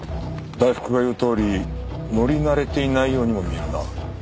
大福が言うとおり乗り慣れていないようにも見えるな。